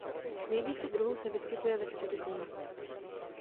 Nejvíce druhů se vyskytuje ve Středozemí.